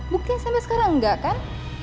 buktinya sampai sekarang enggak kan